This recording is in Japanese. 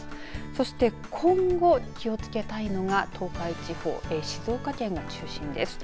そして今後、気をつけたいのが東海地方、静岡県が中心です。